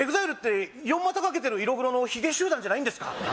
ＥＸＩＬＥって４またかけてる色黒のヒゲ集団じゃないんですか？